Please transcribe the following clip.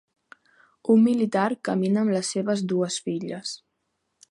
Un militar camina amb les seves dues filles.